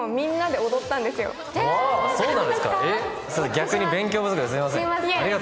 逆に勉強不足ですみません。